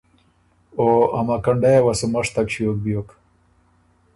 او ا مکنډئ یه وه سُو مشتک ݭیوک بیوک۔